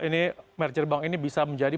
ini merger bank ini bisa menjadi